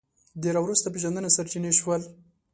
د راوروسته پېژندنې سرچینې شول